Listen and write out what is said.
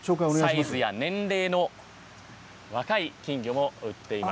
サイズや年齢の若い金魚も売っています。